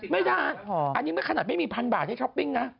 ไม่ได้อันนี้แม้ขนาดไม่มี๑๐๐๐บาทให้ช็อปปิ้งนะ